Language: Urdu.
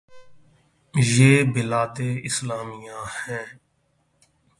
یہ بلاد اسلامیہ ہیں۔